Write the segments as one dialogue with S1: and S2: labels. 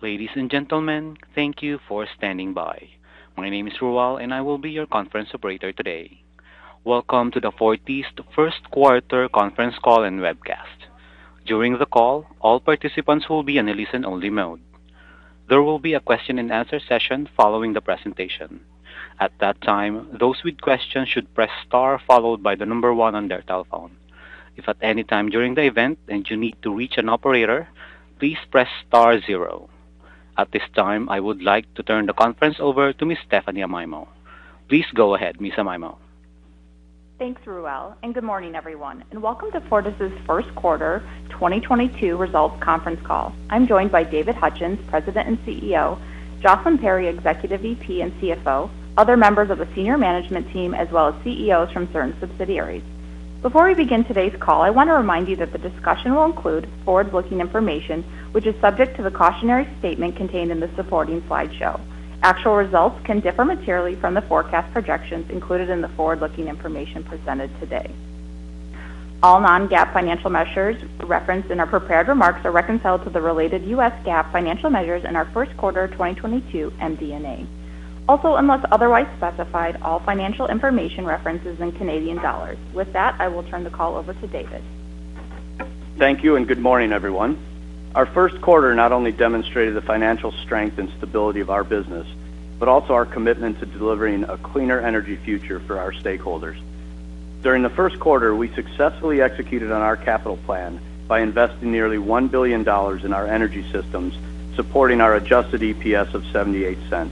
S1: Ladies and gentlemen, thank you for standing by. My name is Ruel, and I will be your conference operator today. Welcome to the Fortis first quarter conference call and webcast. During the call, all participants will be in a listen-only mode. There will be a question-and-answer session following the presentation. At that time, those with questions should press star followed by the number one on their telephone. If at any time during the event and you need to reach an operator, please press star zero. At this time, I would like to turn the conference over to Miss Stephanie Amaimo. Please go ahead, Miss Amaimo.
S2: Thanks, Ruel, and good morning, everyone, and welcome to Fortis' first quarter 2022 results conference call. I'm joined by David Hutchens, President and CEO, Jocelyn Perry, Executive VP and CFO, other members of the senior management team, as well as CEOs from certain subsidiaries. Before we begin today's call, I want to remind you that the discussion will include forward-looking information, which is subject to the cautionary statement contained in the supporting slideshow. Actual results can differ materially from the forecast projections included in the forward-looking information presented today. All non-GAAP financial measures referenced in our prepared remarks are reconciled to the related U.S. GAAP financial measures in our first quarter 2022 MD&A. Also, unless otherwise specified, all financial information references in Canadian dollars. With that, I will turn the call over to David.
S3: Thank you and good morning, everyone. Our first quarter not only demonstrated the financial strength and stability of our business, but also our commitment to delivering a cleaner energy future for our stakeholders. During the first quarter, we successfully executed on our capital plan by investing nearly 1 billion dollars in our energy systems, supporting our adjusted EPS of 0.78.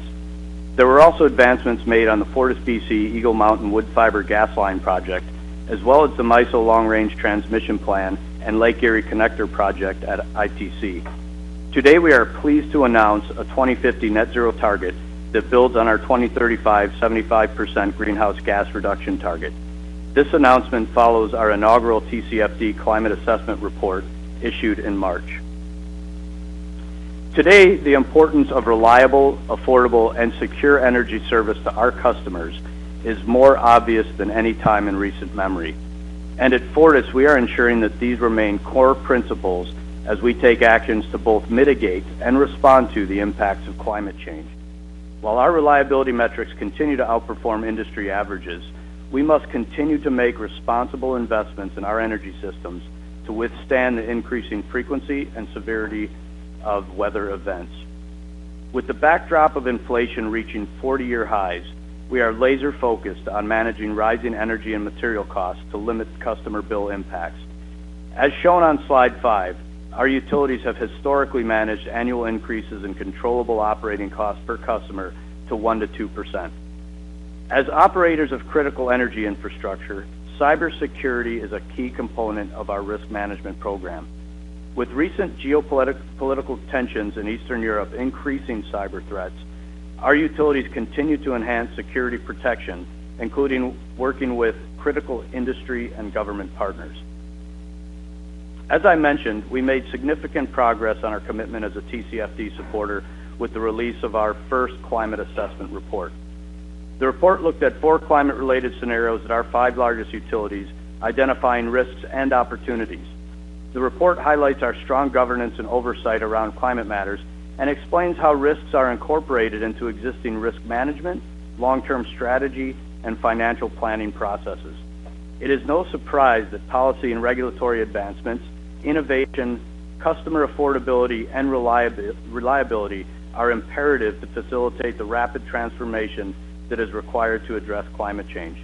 S3: There were also advancements made on the FortisBC Eagle Mountain-Woodfibre gas line project, as well as the MISO Long Range Transmission Plan and Lake Erie Connector project at ITC. Today, we are pleased to announce a 2050 net zero target that builds on our 2035 75% greenhouse gas reduction target. This announcement follows our inaugural TCFD Climate Assessment Report issued in March. Today, the importance of reliable, affordable, and secure energy service to our customers is more obvious than any time in recent memory. At Fortis, we are ensuring that these remain core principles as we take actions to both mitigate and respond to the impacts of climate change. While our reliability metrics continue to outperform industry averages, we must continue to make responsible investments in our energy systems to withstand the increasing frequency and severity of weather events. With the backdrop of inflation reaching 40-year highs, we are laser-focused on managing rising energy and material costs to limit customer bill impacts. As shown on slide 5, our utilities have historically managed annual increases in controllable operating costs per customer to 1%-2%. As operators of critical energy infrastructure, cybersecurity is a key component of our risk management program. With recent geopolitical tensions in Eastern Europe increasing cyber threats, our utilities continue to enhance security protection, including working with critical industry and government partners. As I mentioned, we made significant progress on our commitment as a TCFD supporter with the release of our first Climate Assessment Report. The report looked at four climate-related scenarios at our five largest utilities, identifying risks and opportunities. The report highlights our strong governance and oversight around climate matters and explains how risks are incorporated into existing risk management, long-term strategy, and financial planning processes. It is no surprise that policy and regulatory advancements, innovation, customer affordability, and reliability are imperative to facilitate the rapid transformation that is required to address climate change.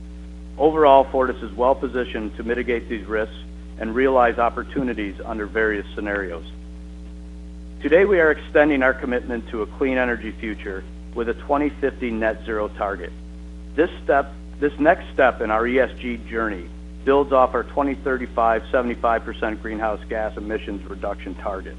S3: Overall, Fortis is well-positioned to mitigate these risks and realize opportunities under various scenarios. Today, we are extending our commitment to a clean energy future with a 2050 net zero target. This next step in our ESG journey builds off our 2035 75% greenhouse gas emissions reduction target.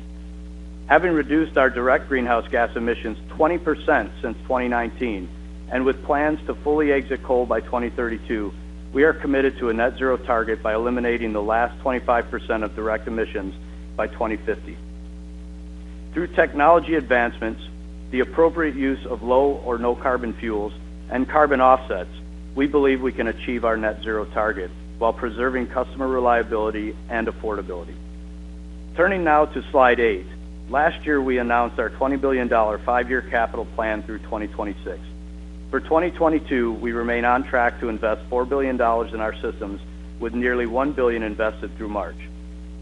S3: Having reduced our direct greenhouse gas emissions 20% since 2019 and with plans to fully exit coal by 2032, we are committed to a net zero target by eliminating the last 25% of direct emissions by 2050. Through technology advancements, the appropriate use of low- or no-carbon fuels, and carbon offsets, we believe we can achieve our net zero target while preserving customer reliability and affordability. Turning now to slide 8. Last year, we announced our 20 billion dollar five-year capital plan through 2026. For 2022, we remain on track to invest 4 billion dollars in our systems, with nearly 1 billion invested through March.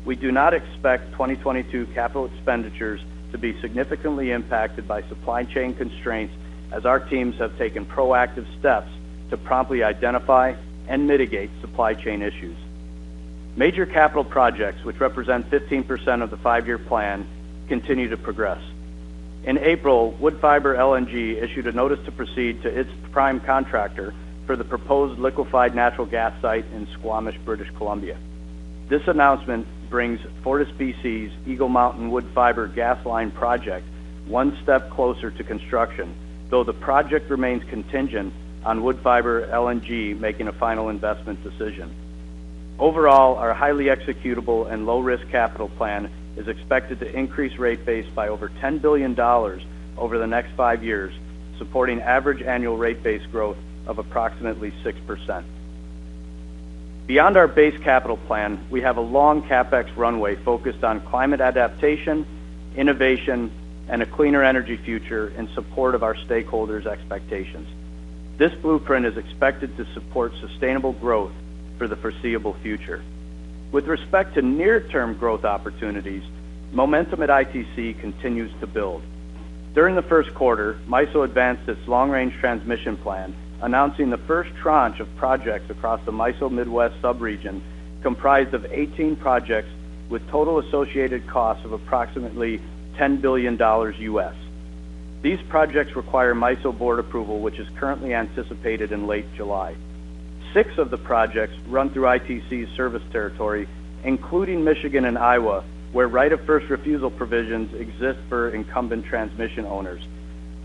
S3: We do not expect 2022 capital expenditures to be significantly impacted by supply chain constraints, as our teams have taken proactive steps to promptly identify and mitigate supply chain issues. Major capital projects, which represent 15% of the five-year plan, continue to progress. In April, Woodfibre LNG issued a notice to proceed to its prime contractor for the proposed liquefied natural gas site in Squamish, British Columbia. This announcement brings FortisBC's Eagle Mountain-Woodfibre Gas Pipeline one step closer to construction, though the project remains contingent on Woodfibre LNG making a final investment decision. Overall, our highly executable and low-risk capital plan is expected to increase rate base by over 10 billion dollars over the next five years, supporting average annual rate base growth of approximately 6%. Beyond our base capital plan, we have a long CapEx runway focused on climate adaptation, innovation, and a cleaner energy future in support of our stakeholders' expectations. This blueprint is expected to support sustainable growth for the foreseeable future. With respect to near-term growth opportunities, momentum at ITC continues to build. During the first quarter, MISO advanced its long-range transmission plan, announcing the first tranche of projects across the MISO Midwest sub-region, comprised of 18 projects with total associated costs of approximately $10 billion. These projects require MISO board approval, which is currently anticipated in late July. Six of the projects run through ITC's service territory, including Michigan and Iowa, where right of first refusal provisions exist for incumbent transmission owners.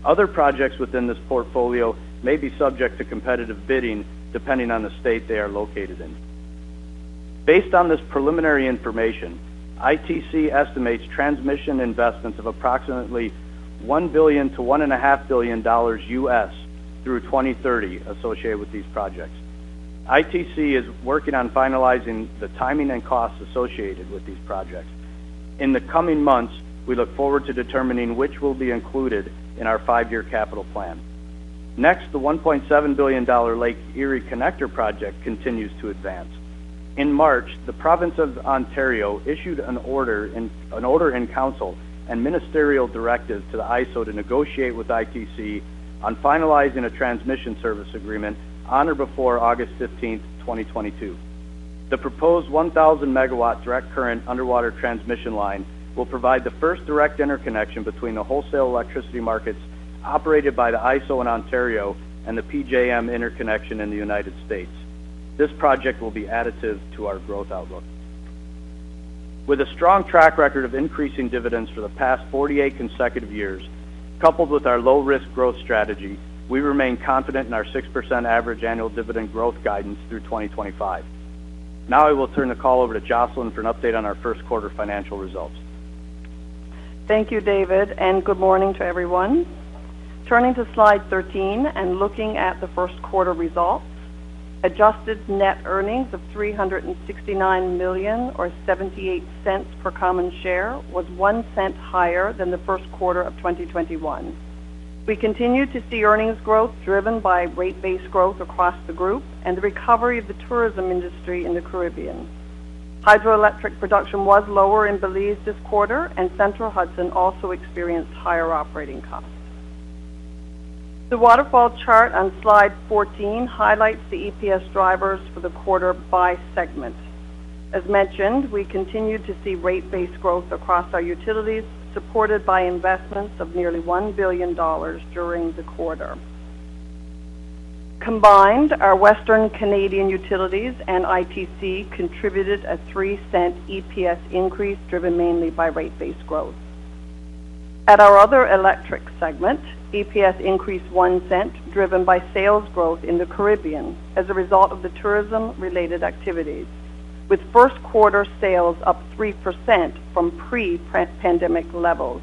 S3: Other projects within this portfolio may be subject to competitive bidding, depending on the state they are located in. Based on this preliminary information, ITC estimates transmission investments of approximately $1 billion-$1.5 billion through 2030 associated with these projects. ITC is working on finalizing the timing and costs associated with these projects. In the coming months, we look forward to determining which will be included in our five-year capital plan. Next, the 1.7 billion dollar Lake Erie Connector project continues to advance. In March, the province of Ontario issued an order in council and ministerial directive to the IESO to negotiate with ITC on finalizing a transmission service agreement on or before August 15th, 2022. The proposed 1,000 MW direct current underwater transmission line will provide the first direct interconnection between the wholesale electricity markets operated by the IESO in Ontario and the PJM Interconnection in the United States. This project will be additive to our growth outlook. With a strong track record of increasing dividends for the past 48 consecutive years, coupled with our low-risk growth strategy, we remain confident in our 6% average annual dividend growth guidance through 2025. Now I will turn the call over to Jocelyn for an update on our first quarter financial results.
S4: Thank you, David, and good morning to everyone. Turning to slide 13 and looking at the first quarter results, adjusted net earnings of 369 million or 0.78 per common share was 0.01 higher than the first quarter of 2021. We continued to see earnings growth driven by rate-based growth across the group and the recovery of the tourism industry in the Caribbean. Hydroelectric production was lower in Belize this quarter, and Central Hudson also experienced higher operating costs. The waterfall chart on slide 14 highlights the EPS drivers for the quarter by segment. As mentioned, we continued to see rate-based growth across our utilities, supported by investments of nearly 1 billion dollars during the quarter. Combined, our Western Canadian utilities and ITC contributed a 0.03 EPS increase, driven mainly by rate-based growth. At our other electric segment, EPS increased $0.01, driven by sales growth in the Caribbean as a result of the tourism-related activities, with first quarter sales up 3% from pre-pandemic levels.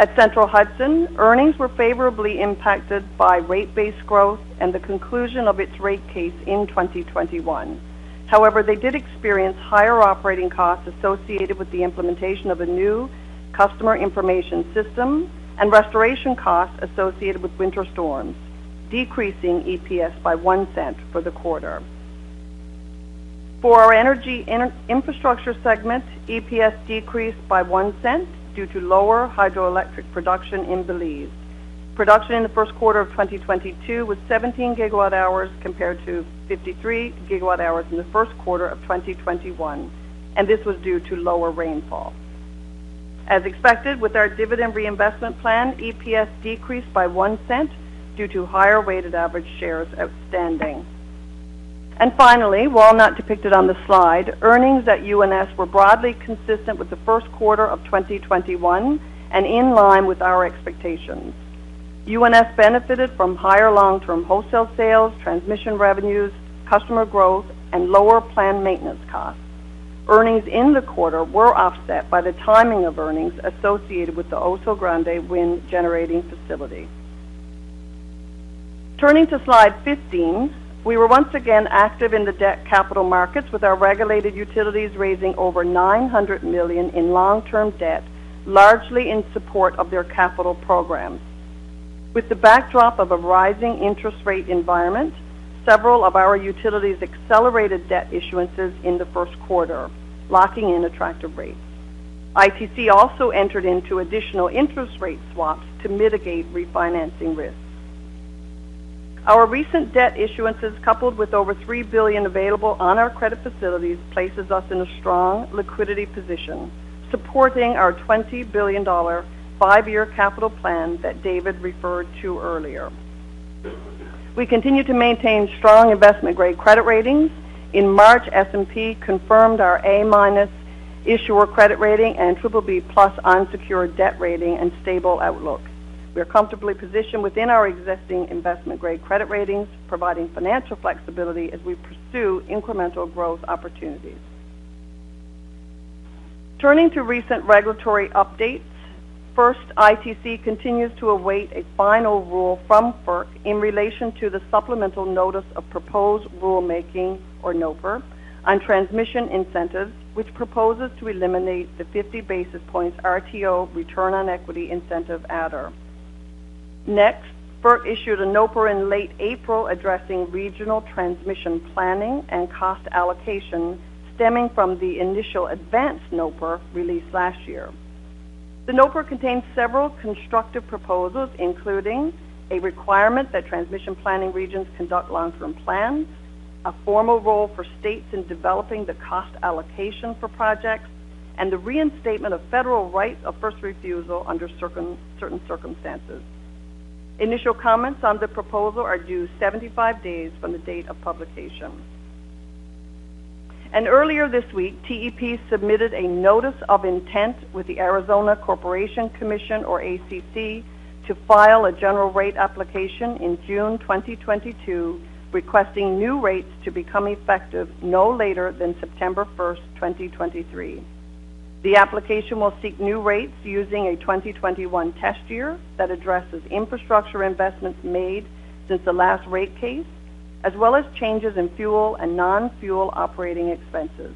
S4: At Central Hudson, earnings were favorably impacted by rate base growth and the conclusion of its rate case in 2021. However, they did experience higher operating costs associated with the implementation of a new customer information system and restoration costs associated with winter storms, decreasing EPS by $0.01 for the quarter. For our energy infrastructure segment, EPS decreased by $0.01 due to lower hydroelectric production in Belize. Production in the first quarter of 2022 was 17 GWh compared to 53 GWh in the first quarter of 2021, and this was due to lower rainfall. As expected, with our dividend reinvestment plan, EPS decreased by 0.01 due to higher weighted average shares outstanding. Finally, while not depicted on the slide, earnings at UNS were broadly consistent with the first quarter of 2021 and in line with our expectations. UNS benefited from higher long-term wholesale sales, transmission revenues, customer growth, and lower planned maintenance costs. Earnings in the quarter were offset by the timing of earnings associated with the Oso Grande wind-generating facility. Turning to slide 15, we were once again active in the debt capital markets, with our regulated utilities raising over 900 million in long-term debt, largely in support of their capital programs. With the backdrop of a rising interest rate environment, several of our utilities accelerated debt issuances in the first quarter, locking in attractive rates. ITC also entered into additional interest rate swaps to mitigate refinancing risks. Our recent debt issuances, coupled with over 3 billion available on our credit facilities, places us in a strong liquidity position, supporting our 20 billion dollar five-year capital plan that David referred to earlier. We continue to maintain strong investment-grade credit ratings. In March, S&P confirmed our A- issuer credit rating and BBB+ secured debt rating and stable outlook. We are comfortably positioned within our existing investment-grade credit ratings, providing financial flexibility as we pursue incremental growth opportunities. Turning to recent regulatory updates. First, ITC continues to await a final rule from FERC in relation to the supplemental notice of proposed rulemaking or NOPR on transmission incentives, which proposes to eliminate the 50 basis points RTO return on equity incentive adder. Next, FERC issued a NOPR in late April addressing regional transmission planning and cost allocation stemming from the initial advanced NOPR released last year. The NOPR contains several constructive proposals, including a requirement that transmission planning regions conduct long-term plans, a formal role for states in developing the cost allocation for projects, and the reinstatement of federal right of first refusal under certain circumstances. Initial comments on the proposal are due 75 days from the date of publication. Earlier this week, TEP submitted a Notice of Intent with the Arizona Corporation Commission or ACC to file a general rate application in June 2022, requesting new rates to become effective no later than September 1st, 2023. The application will seek new rates using a 2021 test year that addresses infrastructure investments made since the last rate case, as well as changes in fuel and non-fuel operating expenses.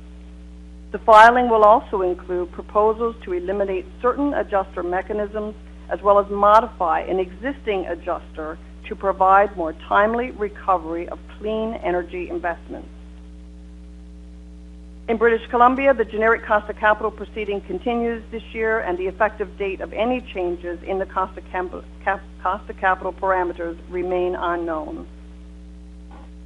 S4: The filing will also include proposals to eliminate certain adjuster mechanisms as well as modify an existing adjuster to provide more timely recovery of clean energy investments. In British Columbia, the generic cost of capital proceeding continues this year, and the effective date of any changes in the cost of capital parameters remain unknown.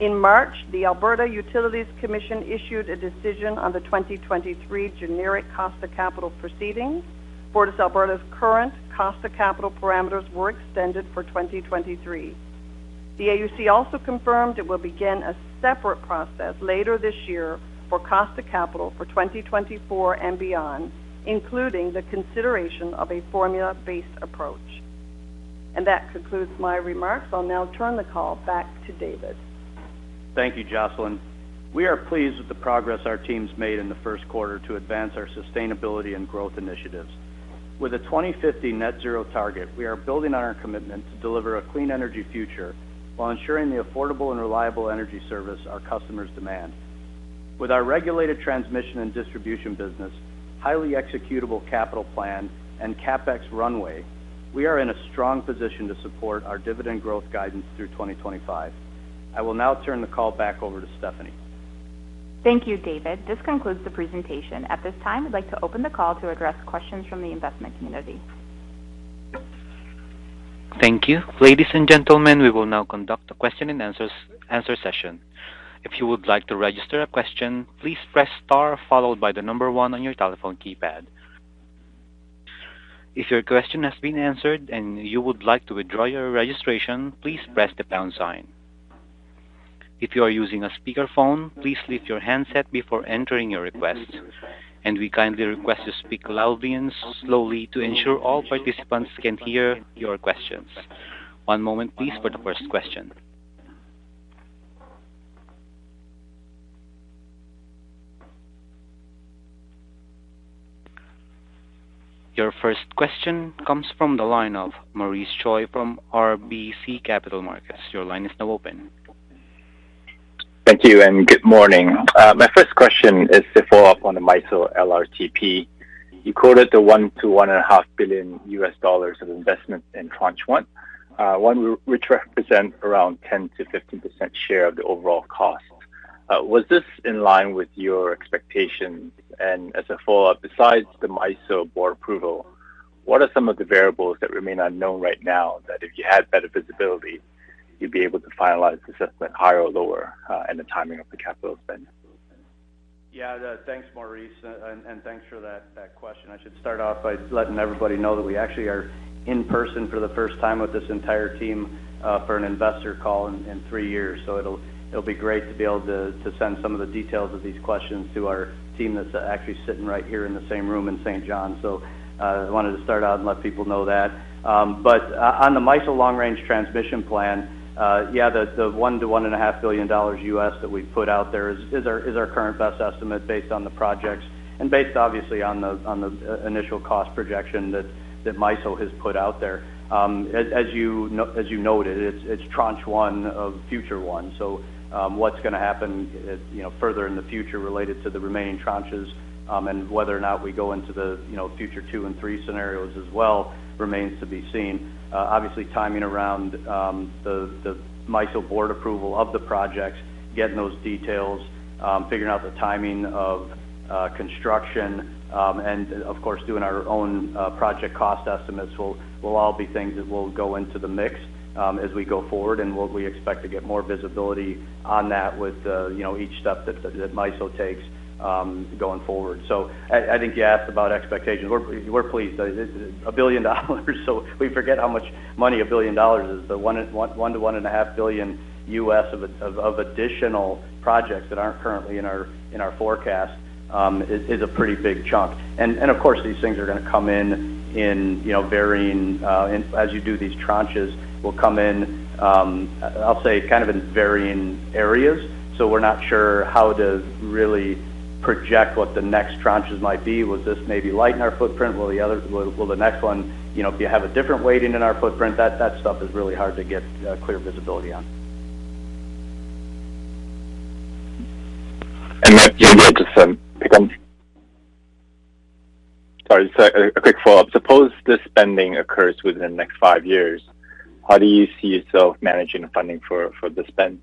S4: In March, the Alberta Utilities Commission issued a decision on the 2023 generic cost of capital proceedings. FortisAlberta's current cost of capital parameters were extended for 2023. The AUC also confirmed it will begin a separate process later this year for cost of capital for 2024 and beyond, including the consideration of a formula-based approach. That concludes my remarks. I'll now turn the call back to David.
S3: Thank you, Jocelyn. We are pleased with the progress our teams made in the first quarter to advance our sustainability and growth initiatives. With a 2050 net zero target, we are building on our commitment to deliver a clean energy future while ensuring the affordable and reliable energy service our customers demand. With our regulated transmission and distribution business, highly executable capital plan, and CapEx runway, we are in a strong position to support our dividend growth guidance through 2025. I will now turn the call back over to Stephanie.
S2: Thank you, David. This concludes the presentation. At this time, I'd like to open the call to address questions from the investment community.
S1: Thank you. Ladies and gentlemen, we will now conduct a question-and-answer session. If you would like to register a question, please press star followed by the number one on your telephone keypad. If your question has been answered and you would like to withdraw your registration, please press the pound sign. If you are using a speakerphone, please lift your handset before entering your request. We kindly request you speak loudly and slowly to ensure all participants can hear your questions. One moment, please, for the first question. Your first question comes from the line of Maurice Choy from RBC Capital Markets. Your line is now open.
S5: Thank you, and good morning. My first question is to follow up on the MISO LRTP. You quoted the $1 billion-$1.5 billion of investment in Tranche One, one which represent around 10%-15% share of the overall cost. Was this in line with your expectations? As a follow-up, besides the MISO board approval, what are some of the variables that remain unknown right now that if you had better visibility, you'd be able to finalize assessment higher or lower, and the timing of the capital spend?
S3: Yeah. Thanks, Maurice, and thanks for that question. I should start off by letting everybody know that we actually are in person for the first time with this entire team for an investor call in three years. It'll be great to be able to send some of the details of these questions to our team that's actually sitting right here in the same room in St. John's. I wanted to start out and let people know that. On the MISO Long-Range Transmission Plan, the $1 billion-$1.5 billion US that we put out there is our current best estimate based on the projects and based obviously on the initial cost projection that MISO has put out there. As you noted, it's Tranche One of Future One. What's going to happen, you know, further in the future related to the remaining tranches and whether or not we go into the you know Future Two and Three scenarios as well remains to be seen. Obviously timing around the MISO board approval of the projects, getting those details, figuring out the timing of construction and of course doing our own project cost estimates will all be things that will go into the mix as we go forward. We expect to get more visibility on that with you know each step that MISO takes going forward. I think you asked about expectations. We're pleased. This is a billion dollars, so we forget how much money a billion dollars is. The $1 billion-$1.5 billion US of additional projects that aren't currently in our forecast is a pretty big chunk. Of course, these things are going to come in, you know, varying. As you do these tranches will come in, I'll say kind of in varying areas. We're not sure how to really project what the next tranches might be. Will this maybe lighten our footprint? Will the next one, you know, if you have a different weighting in our footprint, that stuff is really hard to get clear visibility on.
S5: Sorry, a quick follow-up. Suppose this spending occurs within the next five years. How do you see yourself managing the funding for the spend?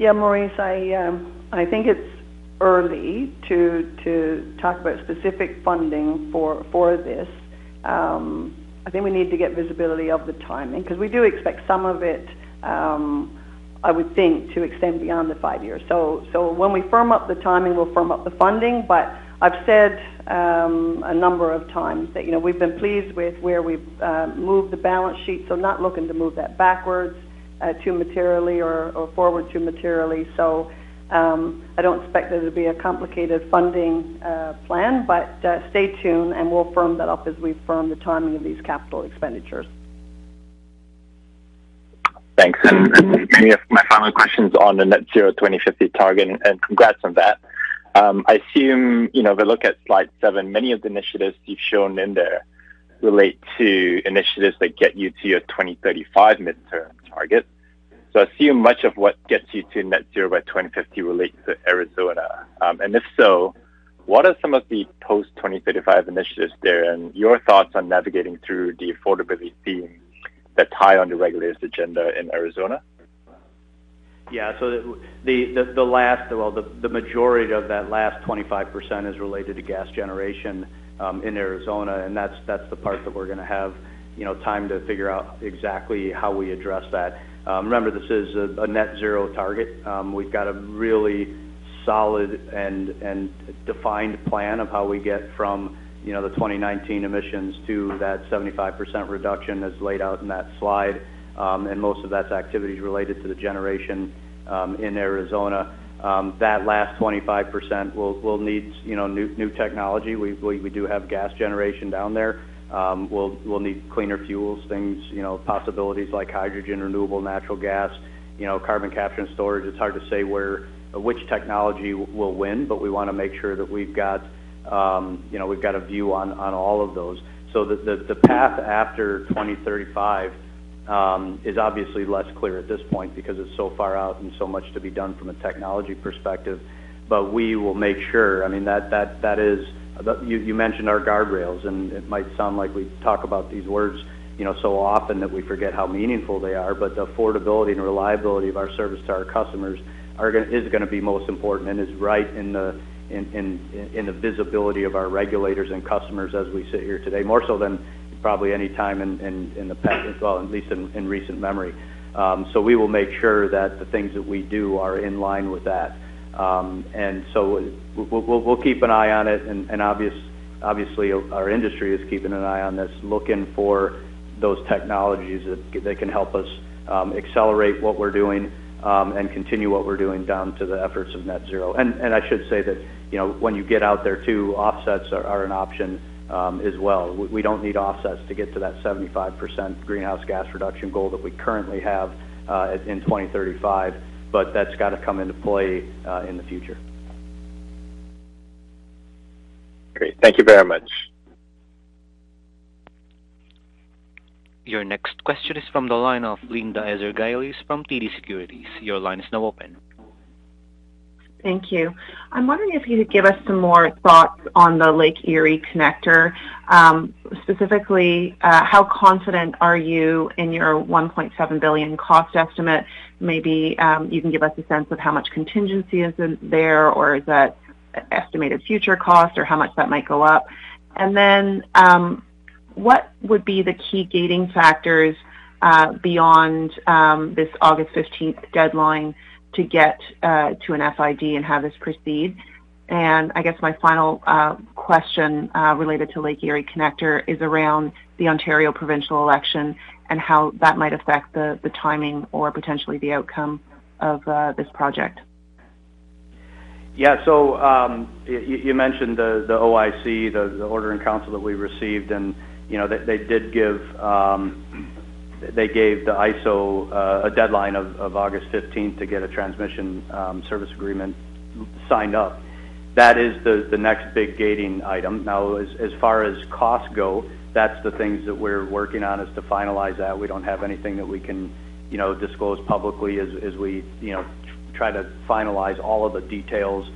S4: Yeah, Maurice, I think it's early to talk about specific funding for this. I think we need to get visibility of the timing because we do expect some of it, I would think, to extend beyond the five years. When we firm up the timing, we'll firm up the funding. I've said a number of times that, you know, we've been pleased with where we've moved the balance sheet, so not looking to move that backwards too materially or forward too materially. I don't expect there to be a complicated funding plan, but stay tuned, and we'll firm that up as we firm the timing of these capital expenditures.
S5: Thanks. Maybe my final question is on the net-zero 2050 target, and congrats on that. I assume, you know, if I look at slide 7, many of the initiatives you've shown in there relate to initiatives that get you to your 2035 midterm target. I assume much of what gets you to net-zero by 2050 relates to Arizona. If so, what are some of the post-2035 initiatives there and your thoughts on navigating through the affordability theme that ties into your regulator's agenda in Arizona?
S3: Yeah. The majority of that last 25% is related to gas generation in Arizona, and that's the part that we're gonna have time to figure out exactly how we address that. Remember, this is a net zero target. We've got a really solid and defined plan of how we get from the 2019 emissions to that 75% reduction that's laid out in that slide. Most of that's activities related to the generation in Arizona. That last 25% will need new technology. We do have gas generation down there. We'll need cleaner fuels, things, possibilities like hydrogen, renewable natural gas, carbon capture and storage. It's hard to say where, which technology will win, but we wanna make sure that we've got, you know, we've got a view on all of those. The path after 2035 is obviously less clear at this point because it's so far out and so much to be done from a technology perspective. We will make sure, I mean, that. You mentioned our guardrails, and it might sound like we talk about these words, you know, so often that we forget how meaningful they are. The affordability and reliability of our service to our customers is gonna be most important and is right in the visibility of our regulators and customers as we sit here today, more so than probably any time in the past, well, at least in recent memory. We will make sure that the things that we do are in line with that. We'll keep an eye on it. Obviously our industry is keeping an eye on this, looking for those technologies that can help us accelerate what we're doing and continue what we're doing down to the efforts of net zero. I should say that, you know, when you get out there too, offsets are an option as well. We don't need offsets to get to that 75% greenhouse gas reduction goal that we currently have in 2035, but that's got to come into play in the future.
S5: Great. Thank you very much.
S1: Your next question is from the line of Linda Ezergailis from TD Securities. Your line is now open.
S6: Thank you. I'm wondering if you could give us some more thoughts on the Lake Erie Connector. Specifically, how confident are you in your 1.7 billion cost estimate? Maybe you can give us a sense of how much contingency is in there, or is that estimated future cost or how much that might go up? Then, what would be the key gating factors beyond this August fifteenth deadline to get to an FID and have this proceed? I guess my final question related to Lake Erie Connector is around the Ontario provincial election and how that might affect the timing or potentially the outcome of this project.
S3: Yeah. You mentioned the OIC, the order in council that we received, and you know, they gave the IESO a deadline of August 15th to get a transmission service agreement signed up. That is the next big gating item. Now, as far as costs go, that's the things that we're working on is to finalize that. We don't have anything that we can you know, disclose publicly as we you know, try to finalize all of the details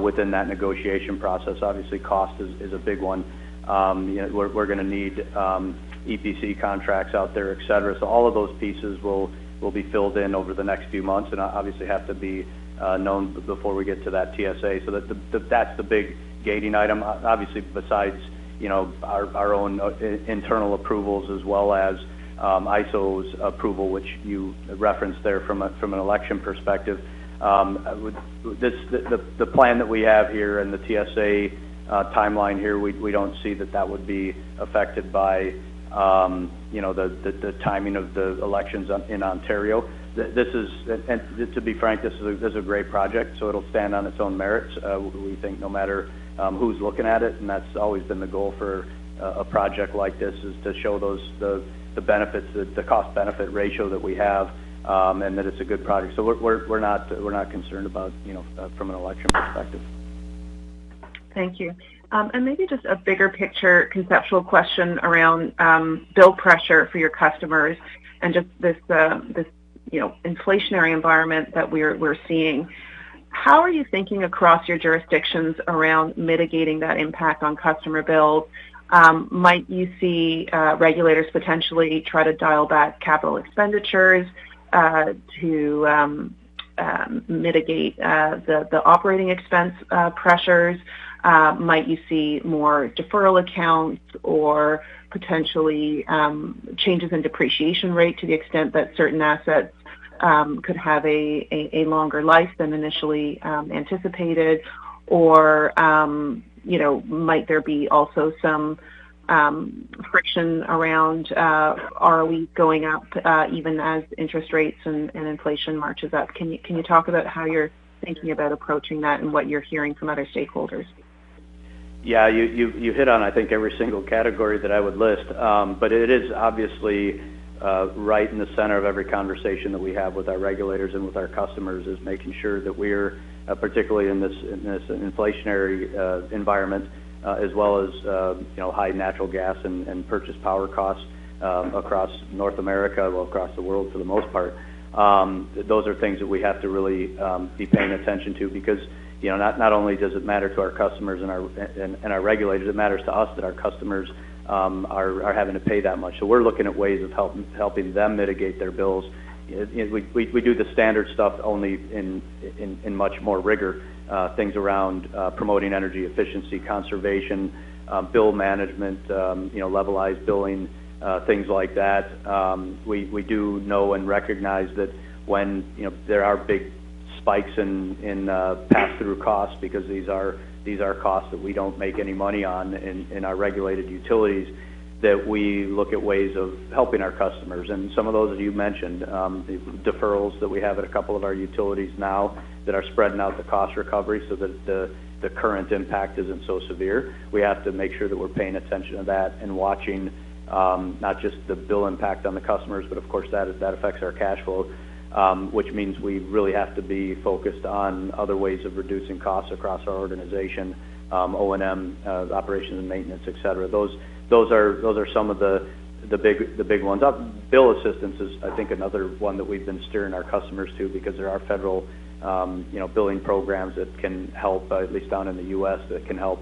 S3: within that negotiation process. Obviously, cost is a big one. You know, we're gonna need EPC contracts out there, et cetera. All of those pieces will be filled in over the next few months and obviously have to be known before we get to that TSA. That's the big gating item. Obviously, besides, you know, our own internal approvals as well as IESO's approval, which you referenced there from an election perspective. The plan that we have here and the TSA timeline here, we don't see that would be affected by, you know, the timing of the elections in Ontario. To be frank, this is a great project, so it'll stand on its own merits. We think no matter who's looking at it, and that's always been the goal for a project like this, is to show those benefits, the cost-benefit ratio that we have, and that it's a good project. We're not concerned about, you know, from an election perspective.
S6: Thank you. Maybe just a bigger picture conceptual question around bill pressure for your customers and just this, you know, inflationary environment that we're seeing. How are you thinking across your jurisdictions around mitigating that impact on customer bills? Might you see regulators potentially try to dial back capital expenditures to mitigate the operating expense pressures? Might you see more deferral accounts or potentially changes in depreciation rate to the extent that certain assets could have a longer life than initially anticipated? Or, you know, might there be also some friction around are we going up even as interest rates and inflation marches up? Can you talk about how you're thinking about approaching that and what you're hearing from other stakeholders?
S3: Yeah, you hit on, I think, every single category that I would list. It is obviously right in the center of every conversation that we have with our regulators and with our customers is making sure that we're particularly in this inflationary environment, as well as, you know, high natural gas and purchased power costs across North America, well, across the world for the most part. Those are things that we have to really be paying attention to because, you know, not only does it matter to our customers and our regulators, it matters to us that our customers are having to pay that much. We're looking at ways of helping them mitigate their bills. We do the standard stuff only in much more rigor, things around promoting energy efficiency, conservation, bill management, you know, levelized billing, things like that. We do know and recognize that when, you know, there are big spikes in pass-through costs because these are costs that we don't make any money on in our regulated utilities, that we look at ways of helping our customers. Some of those, as you mentioned, the deferrals that we have at a couple of our utilities now that are spreading out the cost recovery so that the current impact isn't so severe. We have to make sure that we're paying attention to that and watching not just the bill impact on the customers, but of course that affects our cash flow. Which means we really have to be focused on other ways of reducing costs across our organization, O&M, operations and maintenance, et cetera. Those are some of the big ones. Bill assistance is, I think, another one that we've been steering our customers to because there are federal, you know, billing programs that can help, at least down in The U.S., that can help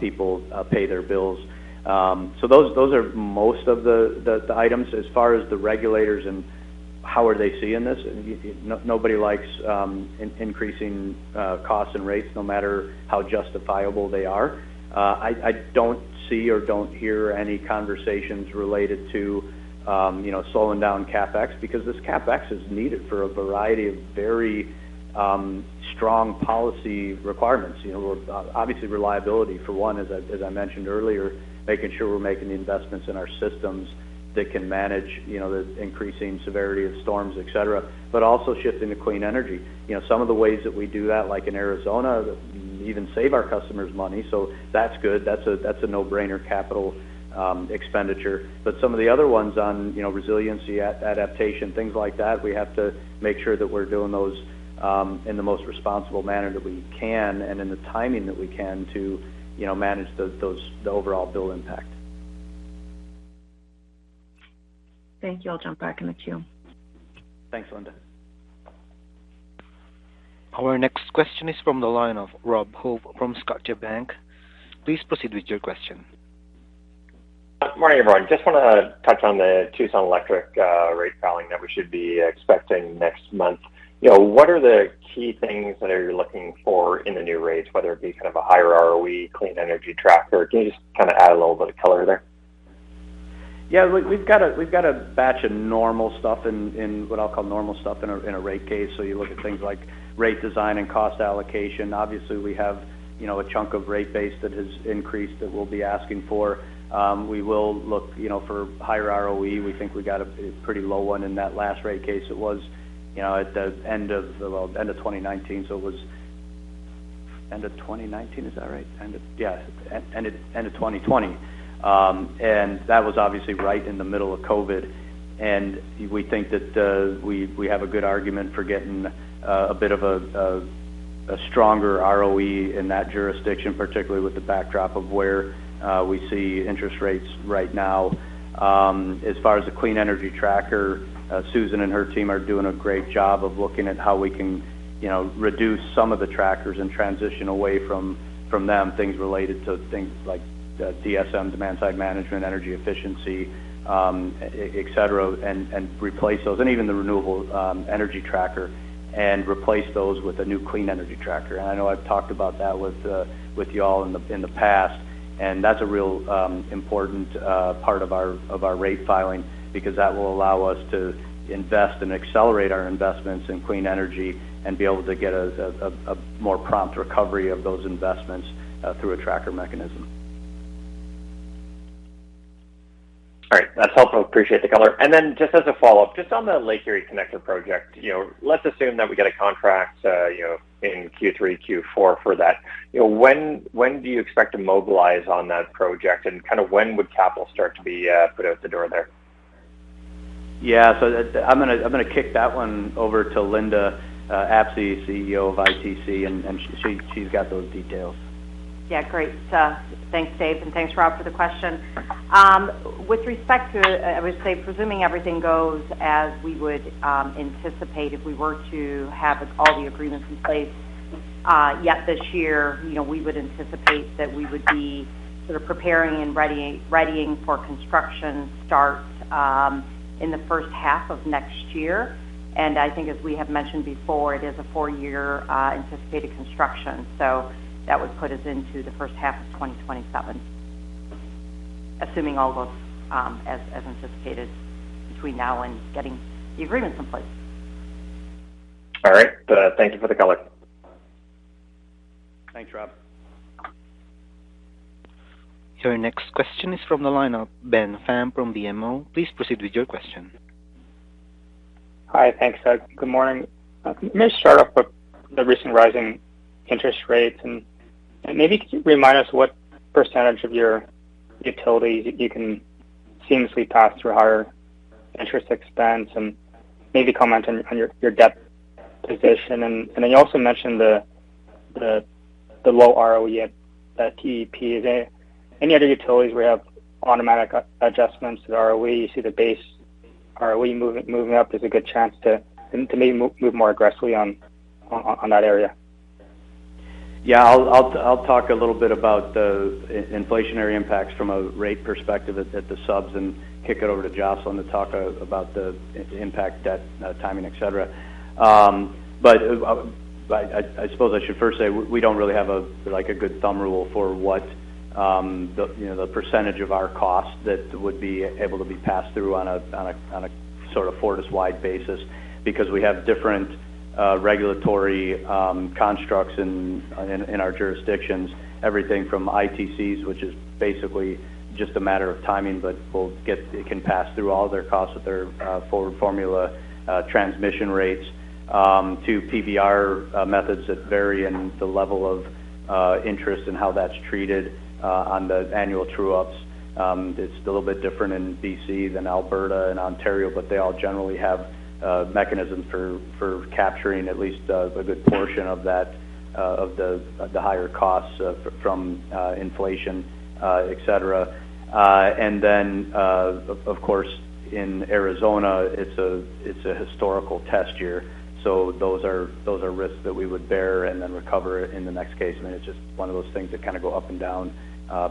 S3: people pay their bills. Those are most of the items. As far as the regulators and how are they seeing this, nobody likes increasing costs and rates no matter how justifiable they are. I don't see or don't hear any conversations related to, you know, slowing down CapEx because this CapEx is needed for a variety of very strong policy requirements. You know, obviously reliability for one, as I mentioned earlier, making sure we're making the investments in our systems that can manage, you know, the increasing severity of storms, et cetera, but also shifting to clean energy. You know, some of the ways that we do that, like in Arizona, even save our customers money, so that's good. That's a no-brainer capital expenditure. Some of the other ones on, you know, resiliency, adaptation, things like that, we have to make sure that we're doing those in the most responsible manner that we can and in the timing that we can to, you know, manage those the overall bill impact.
S6: Thank you. I'll jump back in the queue.
S3: Thanks, Linda.
S1: Our next question is from the line of Rob Hope from Scotiabank. Please proceed with your question.
S7: Good morning, everyone. Just wanna touch on the Tucson Electric rate filing that we should be expecting next month. You know, what are the key things that you're looking for in the new rates, whether it be kind of a higher ROE, clean energy tracker? Can you just kind of add a little bit of color there?
S3: Yeah. We've got a batch of normal stuff in what I'll call normal stuff in a rate case. You look at things like rate design and cost allocation. Obviously we have a chunk of rate base that has increased that we'll be asking for. We will look for higher ROE. We think we got a pretty low one in that last rate case. It was at the end of 2019, so it was end of 2019, is that right? Yeah. End of 2020. That was obviously right in the middle of COVID. We think that we have a good argument for getting a bit of a stronger ROE in that jurisdiction, particularly with the backdrop of where we see interest rates right now. As far as the clean energy tracker, Susan and her team are doing a great job of looking at how we can, you know, reduce some of the trackers and transition away from them, things related to things like DSM, demand side management, energy efficiency, et cetera, and replace those. Even the renewable energy tracker and replace those with a new clean energy tracker. I know I've talked about that with you all in the past, and that's a real important part of our rate filing because that will allow us to invest and accelerate our investments in clean energy and be able to get a more prompt recovery of those investments through a tracker mechanism.
S7: All right. That's helpful. Appreciate the color. Just as a follow-up, just on the Lake Erie Connector project, you know, let's assume that we get a contract, you know, in Q3, Q4 for that. You know, when do you expect to mobilize on that project, and kind of when would capital start to be put out the door there?
S3: Yeah. I'm gonna kick that one over to Linda Apsey, CEO of ITC, and she's got those details.
S8: Yeah. Great. Thanks, Dave, and thanks, Rob, for the question. With respect to, I would say, presuming everything goes as we would anticipate if we were to have all the agreements in place yet this year, you know, we would anticipate that we would be sort of preparing and readying for construction start in the first half of next year. I think as we have mentioned before, it is a four-year anticipated construction. That would put us into the first half of 2027, assuming all goes as anticipated between now and getting the agreements in place.
S7: All right. Thank you for the color.
S3: Thanks, Rob.
S1: Your next question is from the line of Ben Pham from BMO. Please proceed with your question.
S9: Hi. Thanks. Good morning. May I start off with the recent rising interest rates, and maybe could you remind us what percentage of your utility you can seamlessly pass through higher interest expense, and maybe comment on your debt position. Then you also mentioned the low ROE at TEP. Is there any other utilities where you have automatic adjustments to the ROE? You see the base ROE moving up, there's a good chance to maybe move more aggressively on that area.
S3: I'll talk a little bit about the inflationary impacts from a rate perspective at the subs and kick it over to Jocelyn to talk about the impact, debt, timing, et cetera. But I suppose I should first say we don't really have, like, a good thumb rule for what, you know, the percentage of our cost that would be able to be passed through on a sort of Fortis-wide basis because we have different regulatory constructs in our jurisdictions. Everything from ITC's, which is basically just a matter of timing, but it can pass through all their costs with their forward formula transmission rates to PBR methods that vary in the level of interest and how that's treated on the annual true-ups. It's a little bit different in BC than Alberta and Ontario, but they all generally have mechanisms for capturing at least a good portion of that of the higher costs from inflation, et cetera. Of course, in Arizona, it's a historical test year. So those are risks that we would bear and then recover in the next case. It's just one of those things that kind of go up and down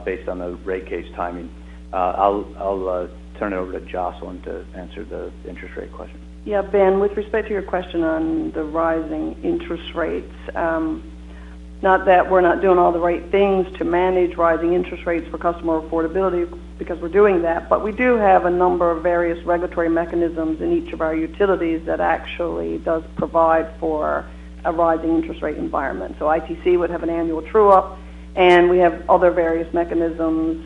S3: based on the rate case timing. I'll turn it over to Jocelyn to answer the interest rate question.
S4: Yeah. Ben, with respect to your question on the rising interest rates, not that we're not doing all the right things to manage rising interest rates for customer affordability because we're doing that, but we do have a number of various regulatory mechanisms in each of our utilities that actually does provide for a rising interest rate environment. ITC would have an annual true-up, and we have other various mechanisms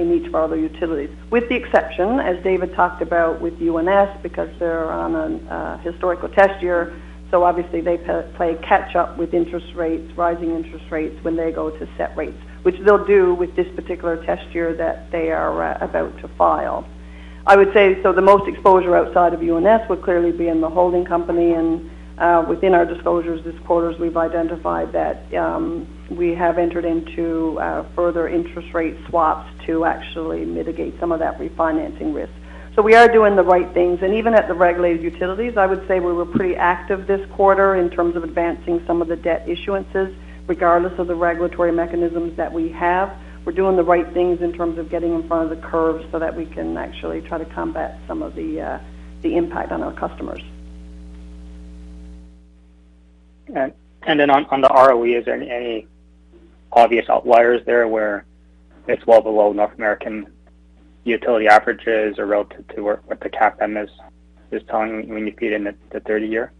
S4: in each of our other utilities. With the exception, as David talked about with UNS, because they're on an historical test year. Obviously they play catch up with interest rates, rising interest rates when they go to set rates, which they'll do with this particular test year that they are about to file. I would say, the most exposure outside of UNS would clearly be in the holding company and, within our disclosures this quarter, as we've identified that, we have entered into, further interest rate swaps to actually mitigate some of that refinancing risk. We are doing the right things. Even at the regulated utilities, I would say we were pretty active this quarter in terms of advancing some of the debt issuances, regardless of the regulatory mechanisms that we have. We're doing the right things in terms of getting in front of the curve so that we can actually try to combat some of the impact on our customers.
S9: On the ROE, is there any obvious outliers there where it's well below North American utility averages or relative to what the CAPM is telling when you feed in the 30-year?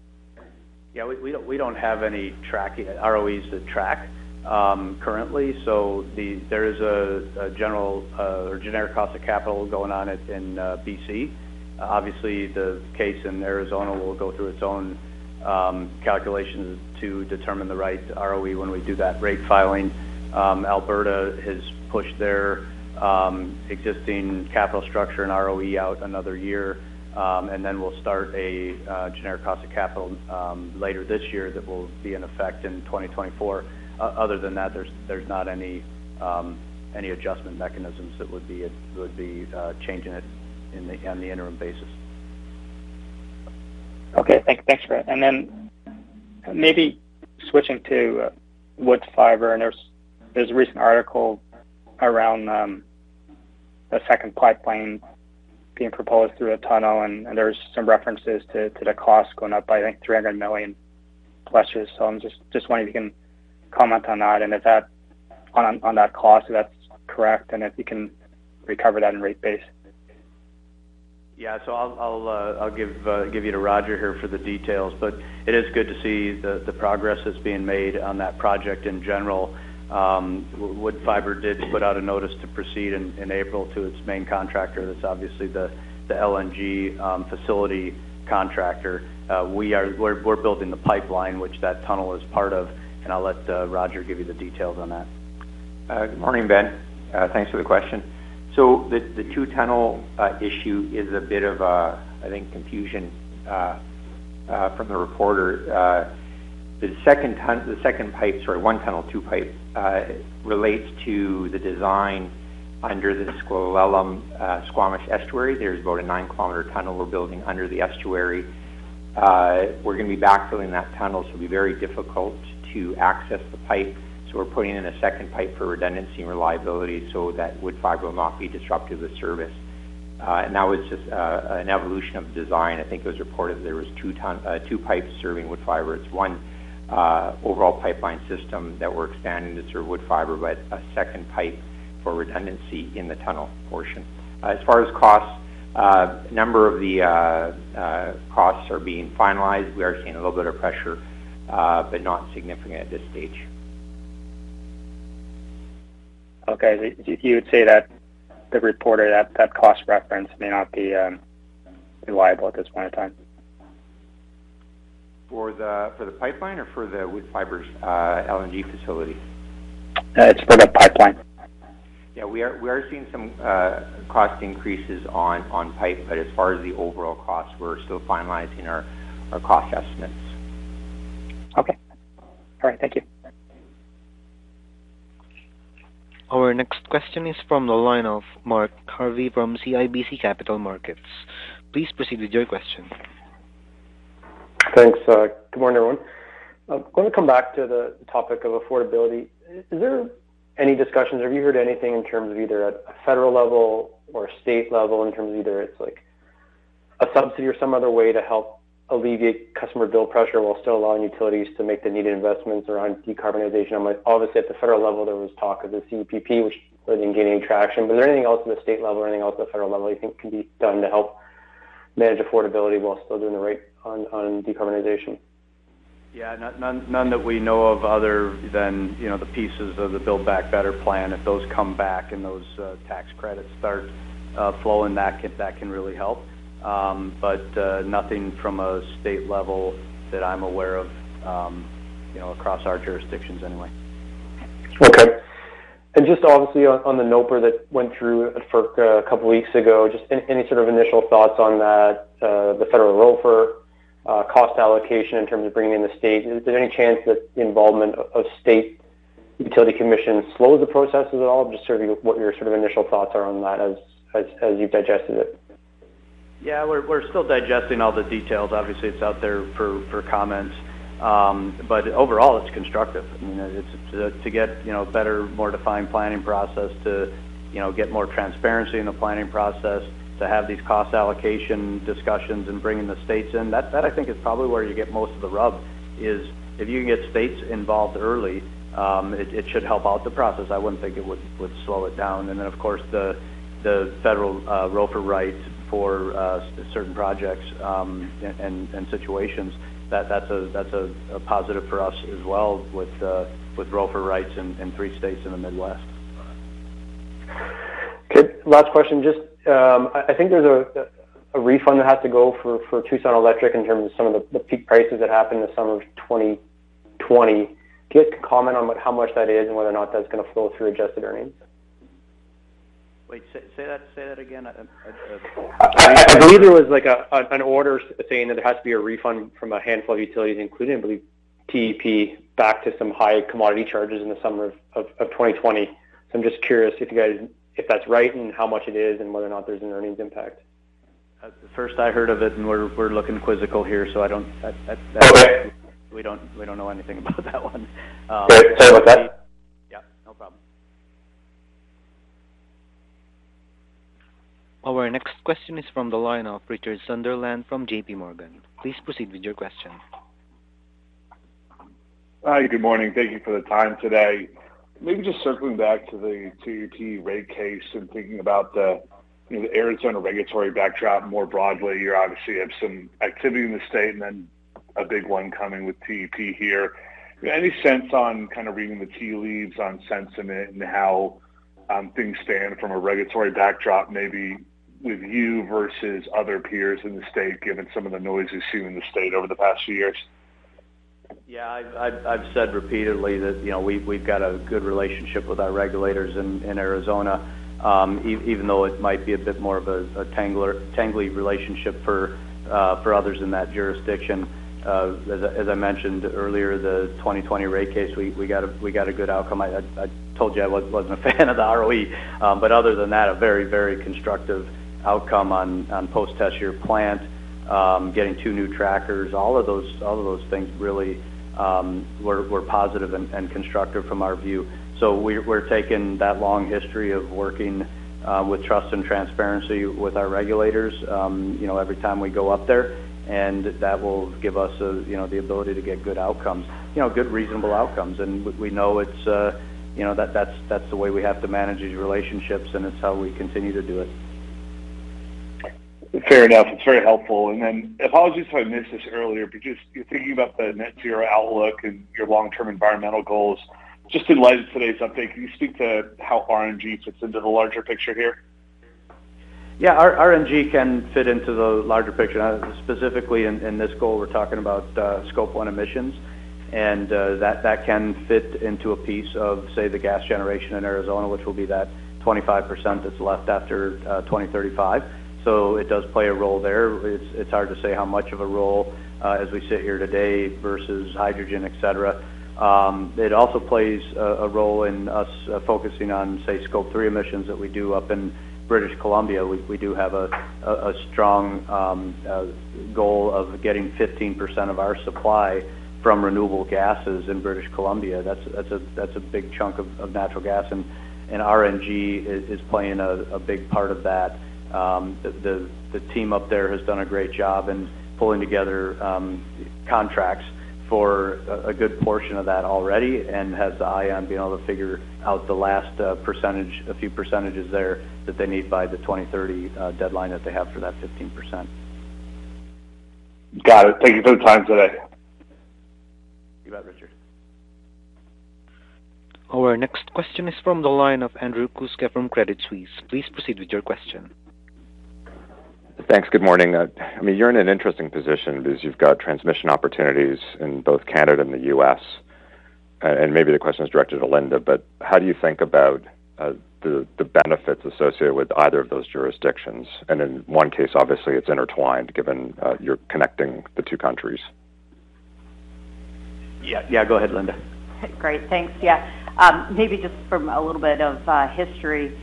S3: Yeah. We don't have any tracking ROEs to track currently. There is a generic cost of capital going on in BC. Obviously, the case in Arizona will go through its own calculations to determine the right ROE when we do that rate filing. Alberta has pushed their existing capital structure and ROE out another year, and then we'll start a generic cost of capital later this year that will be in effect in 2024. Other than that, there's not any adjustment mechanisms that would be changing it on an interim basis.
S9: Thanks for that. Then maybe switching to Woodfibre, there's a recent article around a second pipeline being proposed through a tunnel, and there's some references to the cost going up by, I think, 300 million+. I'm just wondering if you can comment on that and on that cost, if that's correct, and if you can recover that in rate base.
S3: I'll give you to Roger here for the details. It is good to see the progress that's being made on that project in general. Woodfibre did put out a notice to proceed in April to its main contractor. That's obviously the LNG facility contractor. We're building the pipeline, which that tunnel is part of, and I'll let Roger give you the details on that. Good morning, Ben. Thanks for the question. The two-tunnel issue is a bit of, I think, confusion from the reporter. Sorry, one tunnel, two pipes relates to the design under the Squamish Estuary. There's about a 9-kilometer tunnel we're building under the estuary. We're gonna be backfilling that tunnel, so it'll be very difficult to access the pipe. We're putting in a second pipe for redundancy and reliability so that Woodfibre will not be disruptive to service. That was just an evolution of design. I think it was reported there was two pipes serving Woodfibre. It's one overall pipeline system that we're expanding to serve Woodfibre, but a second pipe for redundancy in the tunnel portion. As far as costs, a number of the costs are being finalized. We are seeing a little bit of pressure, but not significant at this stage.
S9: Okay. You would say that the reported cost reference may not be reliable at this point in time?
S3: For the pipeline or for the Woodfibre's LNG facility?
S9: It's for the pipeline.
S3: Yeah, we are seeing some cost increases on pipe, but as far as the overall cost, we're still finalizing our cost estimates.
S9: Okay. All right, thank you.
S1: Our next question is from the line of Mark Jarvi from CIBC Capital Markets. Please proceed with your question.
S10: Thanks. Good morning, everyone. I'm going to come back to the topic of affordability. Is there any discussions, have you heard anything in terms of either at a federal level or state level in terms of either it's, like, a subsidy or some other way to help alleviate customer bill pressure while still allowing utilities to make the needed investments around decarbonization? Obviously, at the federal level, there was talk of the CEPP, which wasn't gaining traction. Is there anything else in the state level or anything else at the federal level you think can be done to help manage affordability while still doing the right on decarbonization?
S3: None that we know of other than, you know, the pieces of the Build Back Better plan. If those come back and those tax credits start flowing, that can really help. But nothing from a state level that I'm aware of, you know, across our jurisdictions anyway.
S10: Okay. Just obviously on the NOPR that went through at FERC a couple of weeks ago, just any sort of initial thoughts on that, the federal ROFR, cost allocation in terms of bringing in the state. Is there any chance that the involvement of state utility commission slows the processes at all? Just sort of what your sort of initial thoughts are on that as you've digested it.
S3: Yeah. We're still digesting all the details. Obviously, it's out there for comments. Overall, it's constructive. To get better, more defined planning process to get more transparency in the planning process, to have these cost allocation discussions and bringing the states in. That I think is probably where you get most of the rub is if you can get states involved early, it should help out the process. I wouldn't think it would slow it down. Then, of course, the federal ROFR rights for certain projects and situations, that's a positive for us as well with ROFR rights in three states in the Midwest.
S10: Okay. Last question. Just, I think there's a refund that has to go for Tucson Electric Power in terms of some of the peak prices that happened in the summer of 2020. Can you just comment on how much that is and whether or not that's gonna flow through adjusted earnings?
S3: Wait. Say that again.
S10: I believe there was, like, an order saying that there has to be a refund from a handful of utilities, including, I believe, TEP, back to some high commodity charges in the summer of 2020. I'm just curious if that's right and how much it is and whether or not there's an earnings impact.
S3: That's the first I heard of it, and we're looking quizzical here, so I don't.
S10: Okay.
S3: We don't know anything about that one.
S10: Sorry about that.
S3: Yeah, no problem.
S1: Our next question is from the line of Richard Sunderland from JPMorgan. Please proceed with your question.
S11: Hi. Good morning. Thank you for the time today. Maybe just circling back to the TEP rate case and thinking about the, you know, the Arizona regulatory backdrop more broadly. You obviously have some activity in the state and then a big one coming with TEP here. Any sense on kind of reading the tea leaves on sentiment and how things stand from a regulatory backdrop, maybe with you versus other peers in the state, given some of the noise we've seen in the state over the past few years?
S3: Yeah. I've said repeatedly that, you know, we've got a good relationship with our regulators in Arizona, even though it might be a bit more of a tangly relationship for others in that jurisdiction. As I mentioned earlier, the 2020 rate case, we got a good outcome. I told you I wasn't a fan of the ROE. Other than that, a very constructive outcome on post-test year plant, getting two new trackers. All of those things really were positive and constructive from our view. We're taking that long history of working with trust and transparency with our regulators, you know, every time we go up there, and that will give us a You know, the ability to get good outcomes. You know, good, reasonable outcomes. We know it's. You know, that's the way we have to manage these relationships, and it's how we continue to do it.
S11: Fair enough. It's very helpful. Apologies if I missed this earlier, but just thinking about the net zero outlook and your long-term environmental goals, just in light of today's update, can you speak to how RNG fits into the larger picture here?
S3: Yeah, our RNG can fit into the larger picture. Now, specifically in this goal, we're talking about scope one emissions, and that can fit into a piece of, say, the gas generation in Arizona, which will be that 25% that's left after 2035. It does play a role there. It's hard to say how much of a role as we sit here today versus hydrogen, et cetera. It also plays a role in our focusing on, say, scope three emissions that we do up in British Columbia. We do have a strong goal of getting 15% of our supply from renewable gases in British Columbia. That's a big chunk of natural gas. RNG is playing a big part of that. The team up there has done a great job in pulling together contracts for a good portion of that already and has the eye on being able to figure out the last percentage, a few percentages there that they need by the 2030 deadline that they have for that 15%.
S12: Got it. Thank you for the time today.
S3: You bet, Richard.
S1: Our next question is from the line of Andrew Kuske from Credit Suisse. Please proceed with your question.
S13: Thanks. Good morning. I mean, you're in an interesting position because you've got transmission opportunities in both Canada and The U.S. And maybe the question is directed to Linda, but how do you think about the benefits associated with either of those jurisdictions? In one case, obviously it's intertwined, given you're connecting the two countries.
S3: Yeah. Yeah, go ahead, Linda.
S8: Great. Thanks. Yeah. Maybe just from a little bit of history.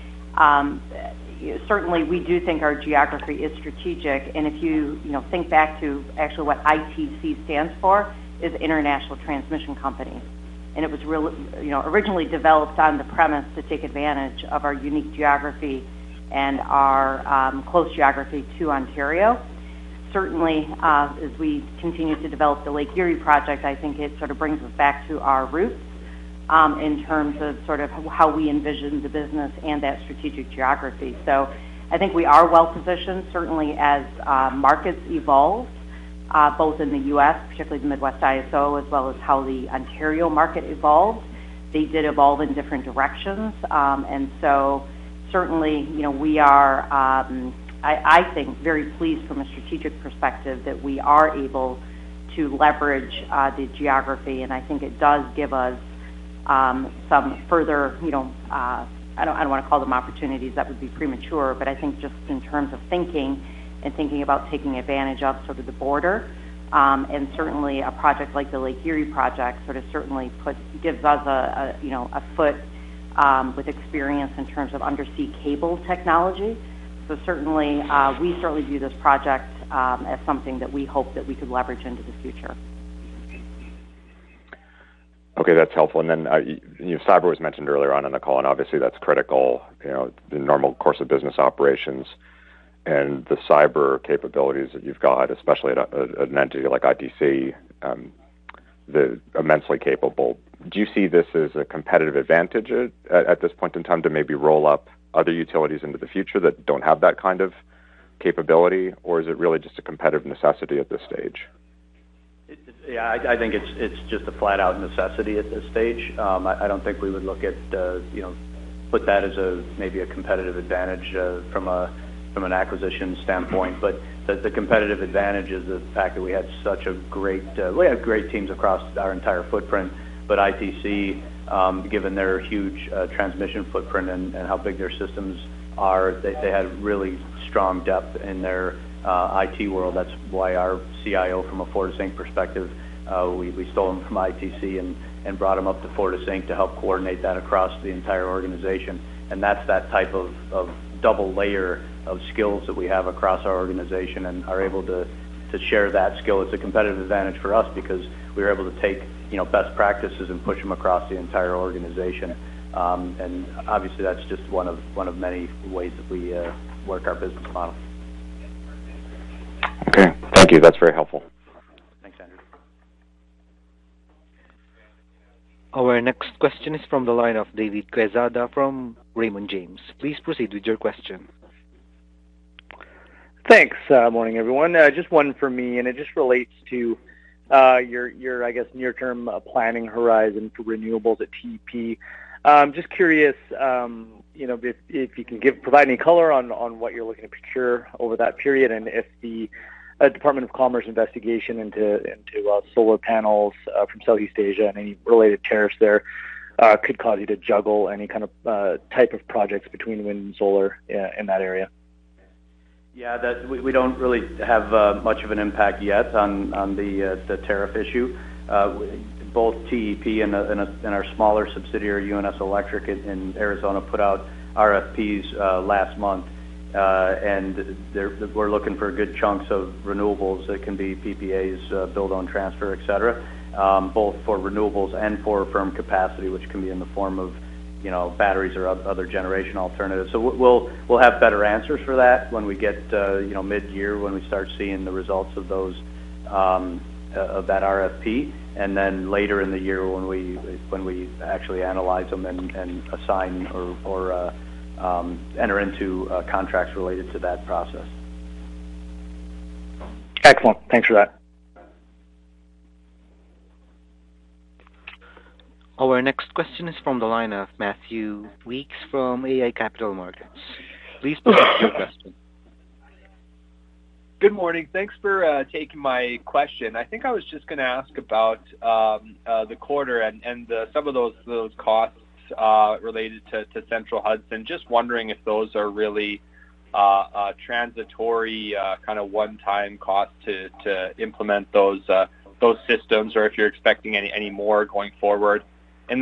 S8: Certainly, we do think our geography is strategic. If you know, think back to actually what ITC stands for is International Transmission Company. It was, you know, originally developed on the premise to take advantage of our unique geography and our close geography to Ontario. Certainly, as we continue to develop the Lake Erie Connector, I think it sort of brings us back to our roots in terms of sort of how we envision the business and that strategic geography. I think we are well-positioned, certainly as markets evolve both in the U.S., particularly the Midwest ISO, as well as how the Ontario market evolves. They did evolve in different directions. Certainly, you know, we are I think very pleased from a strategic perspective that we are able to leverage the geography. I think it does give us some further, you know, I don't want to call them opportunities. That would be premature. I think just in terms of thinking about taking advantage of sort of the border, and certainly a project like the Lake Erie Connector sort of certainly gives us a, you know, a foothold with experience in terms of undersea cable technology. Certainly, we certainly view this project as something that we hope that we could leverage into the future.
S13: Okay, that's helpful. You know, cyber was mentioned earlier on in the call, and obviously that's critical. You know, the normal course of business operations and the cyber capabilities that you've got, especially at an entity like ITC, they're immensely capable. Do you see this as a competitive advantage at this point in time to maybe roll up other utilities into the future that don't have that kind of capability? Or is it really just a competitive necessity at this stage?
S3: Yeah, I think it's just a flat-out necessity at this stage. I don't think we would look at, you know, put that as a, maybe a competitive advantage, from an acquisition standpoint. The competitive advantage is the fact that we have great teams across our entire footprint. ITC, given their huge transmission footprint and how big their systems are, they had really strong depth in their IT world. That's why our CIO, from a Fortis Inc. perspective, we stole him from ITC and brought him up to Fortis Inc to help coordinate that across the entire organization. That's that type of double layer of skills that we have across our organization and are able to share that skill. It's a competitive advantage for us because we're able to take, you know, best practices and push them across the entire organization. Obviously, that's just one of many ways that we work our business model.
S13: Okay. Thank you. That's very helpful.
S3: Thanks, Andrew.
S1: Our next question is from the line of David Quezada from Raymond James. Please proceed with your question.
S14: Thanks. Morning, everyone. Just one for me, and it just relates to your I guess near-term planning horizon for renewables at TEP. Just curious, you know, if you can provide any color on what you're looking to procure over that period and if the Department of Commerce investigation into solar panels from Southeast Asia and any related tariffs there could cause you to juggle any kind of type of projects between wind and solar in that area.
S3: Yeah, we don't really have much of an impact yet on the tariff issue. Both TEP and our smaller subsidiary, UNS Electric in Arizona, put out RFPs last month. We're looking for good chunks of renewables that can be PPAs, build on transfer, et cetera, both for renewables and for firm capacity, which can be in the form of, you know, batteries or other generation alternatives. We'll have better answers for that when we get, you know, midyear, when we start seeing the results of those, of that RFP, and then later in the year when we actually analyze them and assign or enter into contracts related to that process.
S14: Excellent. Thanks for that.
S1: Our next question is from the line of Matthew Weekes from iA Capital Markets. Please proceed with your question.
S15: Good morning. Thanks for taking my question. I think I was just gonna ask about the quarter and some of those costs related to Central Hudson. Just wondering if those are really transitory kinda one-time costs to implement those systems or if you're expecting any more going forward.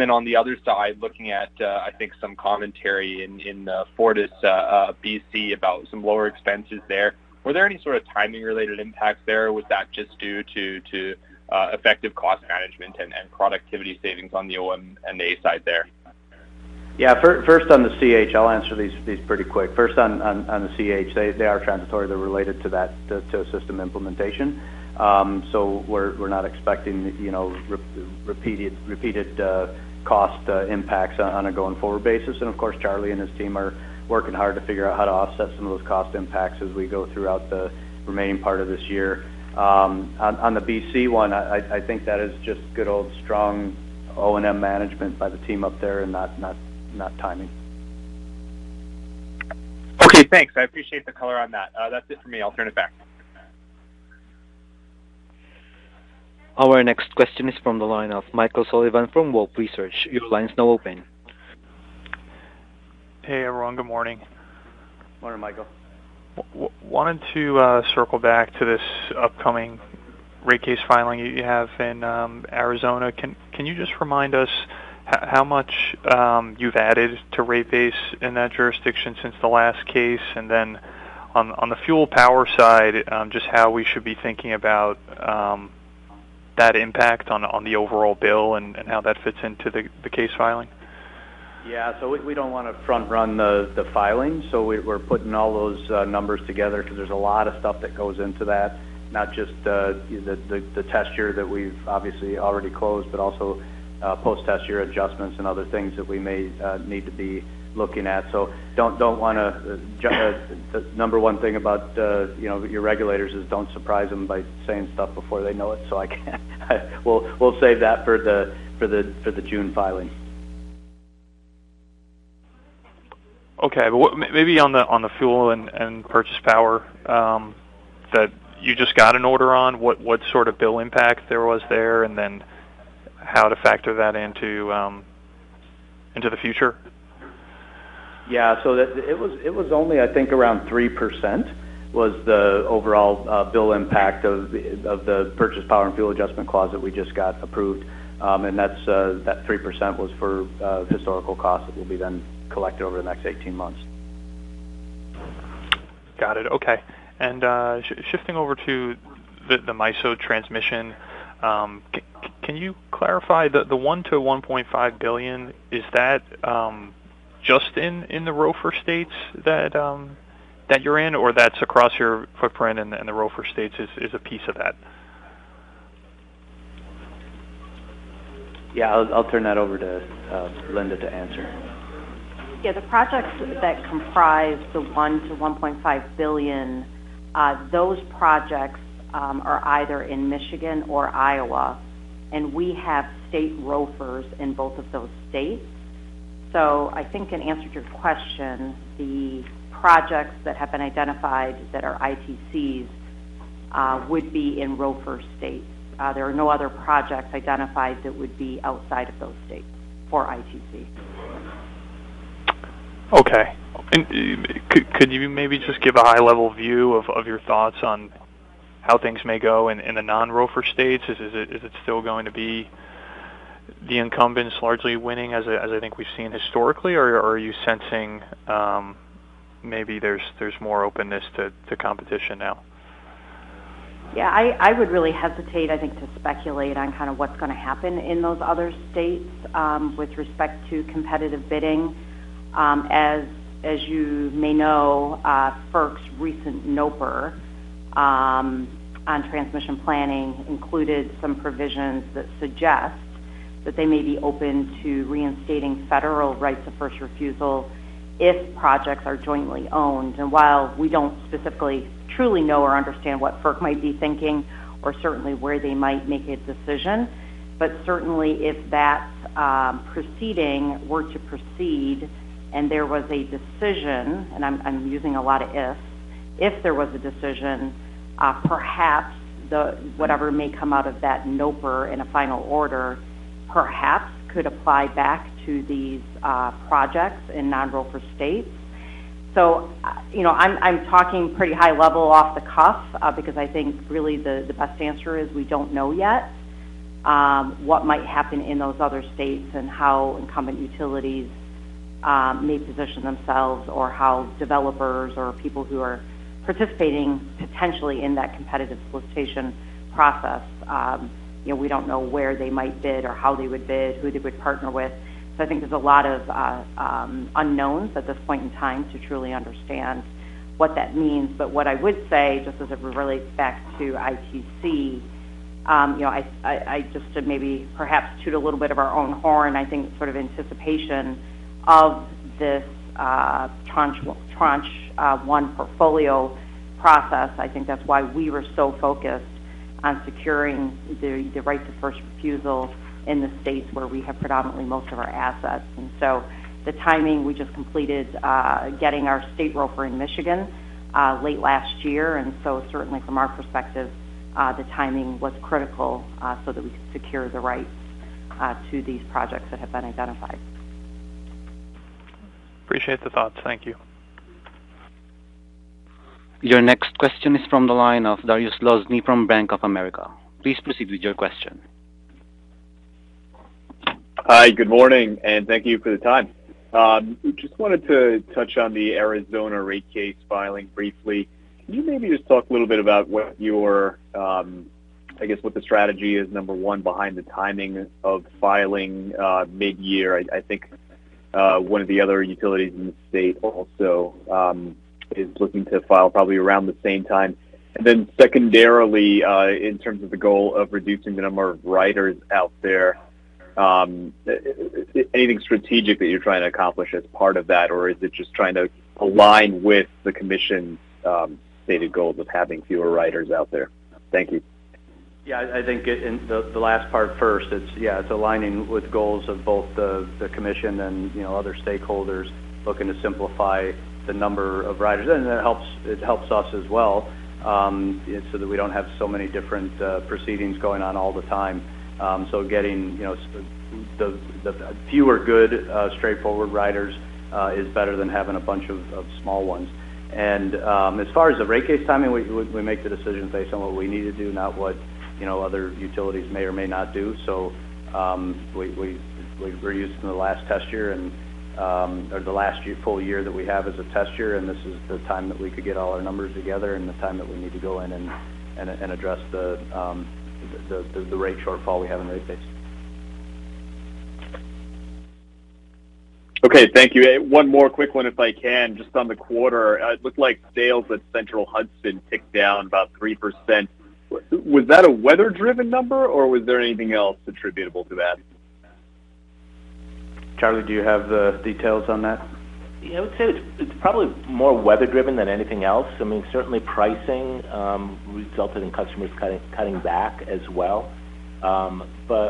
S15: Then on the other side, looking at I think some commentary in FortisBC about some lower expenses there. Were there any sort of timing related impacts there? Was that just due to effective cost management and productivity savings on the O&M and the A side there?
S3: Yeah. First on the CH, I'll answer these pretty quick. First on the CH, they are transitory. They're related to that, to a system implementation. So we're not expecting, you know, repeated cost impacts on a going forward basis. Of course, Charlie and his team are working hard to figure out how to offset some of those cost impacts as we go throughout the remaining part of this year. On the BC one, I think that is just good old strong O&M management by the team up there and not timing.
S15: Okay, thanks. I appreciate the color on that. That's it for me. I'll turn it back.
S1: Our next question is from the line of Michael Sullivan from Wolfe Research. Your line's now open.
S16: Hey, everyone. Good morning.
S3: Morning, Michael.
S16: Wanted to circle back to this upcoming rate case filing you have in Arizona. Can you just remind us how much you've added to rate base in that jurisdiction since the last case? Then on the fuel and power side, just how we should be thinking about that impact on the overall bill and how that fits into the case filing.
S3: Yeah. We don't wanna front run the filing. We're putting all those numbers together because there's a lot of stuff that goes into that, not just the test year that we've obviously already closed, but also post-test year adjustments and other things that we may need to be looking at. The number one thing about you know your regulators is don't surprise them by saying stuff before they know it. I can't. We'll save that for the June filing.
S16: Okay. Maybe on the fuel and purchased power that you just got an order on, what sort of bill impact there was there? Then how to factor that into the future.
S3: It was only I think around 3% was the overall bill impact of the purchased power and fuel adjustment clause that we just got approved. That's that 3% was for historical costs that will be then collected over the next 18 months.
S16: Got it. Okay. Shifting over to the MISO transmission, can you clarify the $1 billion-$1.5 billion, is that just in the ROFR states that you're in or that's across your footprint and the ROFR states is a piece of that?
S3: Yeah. I'll turn that over to Linda to answer.
S8: The projects that comprise the $1 billion-1.5 billion, those projects, are either in Michigan or Iowa, and we have state ROFRs in both of those states. I think in answer to your question, the projects that have been identified that are ITC's would be in ROFR states. There are no other projects identified that would be outside of those states for ITC.
S16: Okay. Could you maybe just give a high-level view of your thoughts on how things may go in the non-ROFR states? Is it still going to be the incumbents largely winning as I think we've seen historically? Or are you sensing maybe there's more openness to competition now?
S8: Yeah. I would really hesitate, I think, to speculate on kinda what's gonna happen in those other states with respect to competitive bidding. As you may know, FERC's recent NOPR on transmission planning included some provisions that suggest that they may be open to reinstating federal rights of first refusal if projects are jointly owned. While we don't specifically truly know or understand what FERC might be thinking or certainly where they might make a decision, but certainly if that proceeding were to proceed and there was a decision, and I'm using a lot of ifs. If there was a decision, perhaps whatever may come out of that NOPR in a final order perhaps could apply back to these projects in non-ROFR states. You know, I'm talking pretty high level off the cuff, because I think really the best answer is we don't know yet what might happen in those other states and how incumbent utilities may position themselves or how developers or people who are participating potentially in that competitive solicitation process. You know, we don't know where they might bid or how they would bid, who they would partner with. I think there's a lot of unknowns at this point in time to truly understand what that means. What I would say, just as it relates back to ITC, you know, I just to maybe perhaps toot a little bit of our own horn, I think sort of anticipation of this tranche one portfolio.
S3: Process. I think that's why we were so focused on securing the right to first refusal in the states where we have predominantly most of our assets. The timing, we just completed getting our state ROFR in Michigan late last year. Certainly from our perspective, the timing was critical, so that we could secure the rights to these projects that have been identified.
S16: Appreciate the thoughts. Thank you.
S1: Your next question is from the line of Dariusz Lozny from Bank of America. Please proceed with your question.
S17: Hi. Good morning, and thank you for the time. Just wanted to touch on the Arizona rate case filing briefly. Can you maybe just talk a little bit about what your, I guess, what the strategy is, number one, behind the timing of filing, midyear? I think one of the other utilities in the state also is looking to file probably around the same time. Then secondarily, in terms of the goal of reducing the number of riders out there, anything strategic that you're trying to accomplish as part of that, or is it just trying to align with the commission's stated goals of having fewer riders out there? Thank you.
S3: Yeah. I think in the last part first, it's aligning with goals of both the commission and, you know, other stakeholders looking to simplify the number of riders. It helps us as well, so that we don't have so many different proceedings going on all the time. Getting, you know, the fewer good straightforward riders is better than having a bunch of small ones. As far as the rate case timing, we make the decisions based on what we need to do, not what, you know, other utilities may or may not do. We're used in the last test year or the last year, full-year that we have as a test year, and this is the time that we could get all our numbers together and the time that we need to go in and address the rate shortfall we have in rate base.
S17: Okay. Thank you. One more quick one if I can. Just on the quarter, it looked like sales at Central Hudson ticked down about 3%. Was that a weather-driven number, or was there anything else attributable to that?
S3: Charlie, do you have the details on that?
S18: Yeah. I would say it's probably more weather-driven than anything else. I mean, certainly pricing resulted in customers cutting back as well.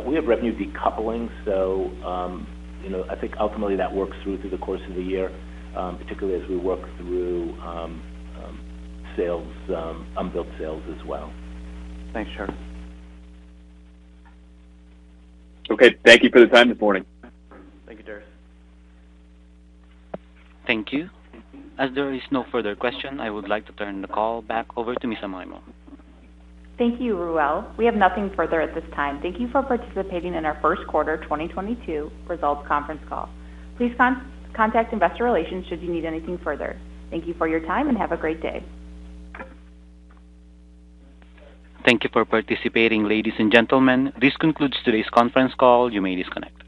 S18: We have revenue decoupling, so you know, I think ultimately that works through the course of the year, particularly as we work through sales, unbilled sales as well.
S17: Thanks, Charlie. Okay. Thank you for the time this morning.
S3: Thank you, Dariusz.
S1: Thank you. As there is no further question, I would like to turn the call back over to Stephanie Amaimo.
S2: Thank you, Ruel. We have nothing further at this time. Thank you for participating in our first quarter 2022 results conference call. Please contact investor relations should you need anything further. Thank you for your time, and have a great day.
S1: Thank you for participating, ladies and gentlemen. This concludes today's conference call. You may disconnect.